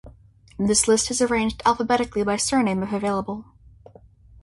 This list is arranged alphabetically by surname if available.